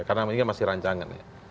karena ini masih rancangan ya